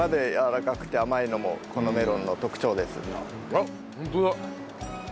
あっホントだ！